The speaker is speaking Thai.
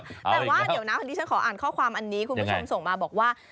แต่ว่าเดี๋ยวนะวันนี้ฉันขออ่านข้อความอันนี้คุณผู้ชมส่งมาบอกว่า